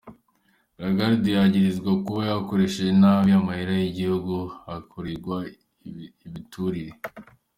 Lagarde yagirizwa kuba yakoresheje nabi amahera y'igihugu hakuregwa ibiturire.